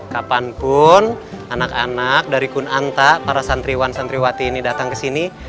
kapanpun anak anak dari kunanta para santriwan santriwati ini datang kesini